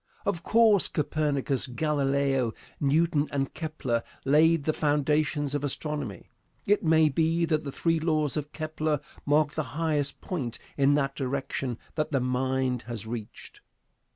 Of course Copernicus, Galileo, Newton and Kepler laid the foundations of astronomy. It may be that the three laws of Kepler mark the highest point in that direction that the mind has reached.